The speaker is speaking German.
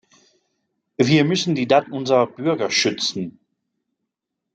Wir müssen die Daten unserer Bürger schützen.